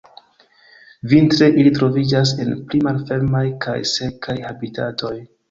Vintre ili troviĝas en pli malfermaj kaj sekaj habitatoj.